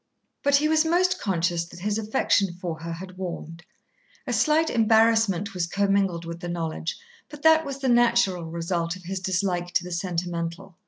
But he was most conscious that his affection for her had warmed. A slight embarrassment was commingled with the knowledge, but that was the natural result of his dislike to the sentimental.